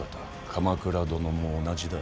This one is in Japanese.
鎌倉殿も同じだ。